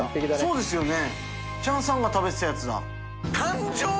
そうですよね？